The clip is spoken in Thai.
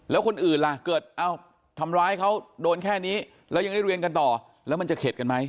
แล้วคนอื่นล่ะเกิดเอ้าทำร้ายเขาโดนแค่นี้แล้วยังได้เรียนกันต่อแล้วมันจะเข็ดกันไหม